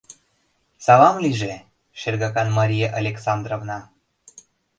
— Салам лийже, шергакан Мария Александровна!